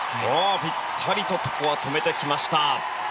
ぴったりとここは止めてきました。